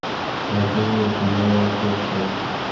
La sede de condado es Grove Hill.